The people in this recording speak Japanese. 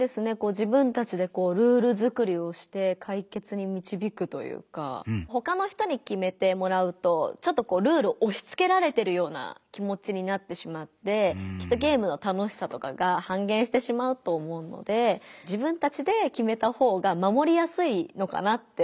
自分たちでこうルール作りをして解決にみちびくというかほかの人に決めてもらうとちょっとこうルールをおしつけられてるような気もちになってしまってきっとゲームの楽しさとかが半減してしまうと思うので自分たちで決めた方がまもりやすいのかなって思いましたね。